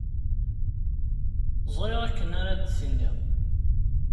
Ẓriɣ akken ara d-tiniḍ.